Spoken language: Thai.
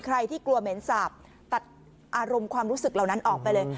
ใครที่กลัวเหม็นสาปตัดอารมณ์ความรู้สึกเหล่านั้นออกไปเลย